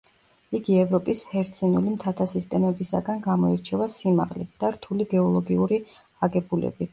იგი ევროპის ჰერცინული მთათა სისტემებისაგან გამოირჩევა სიმაღლით და რთული გეოლოგიური აგებულებით.